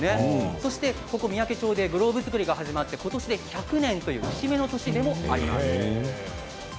そしてここ三宅町でグローブ作りが始まってことしで１００年という節目の年でもあります。